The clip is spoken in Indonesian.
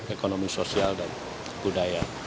ekonomi sosial dan budaya